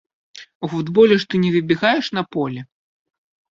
У футболе ж ты не выбегаеш на поле.